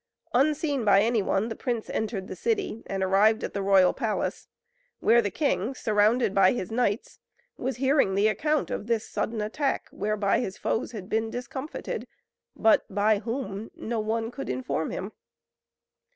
Unseen by anyone the prince entered the city, and arrived at the royal palace, where the king, surrounded by his knights, was hearing the account of this sudden attack, whereby his foes had been discomfited; but by whom no one could inform him.